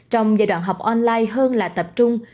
trong giai đoạn học online hơn là tập trung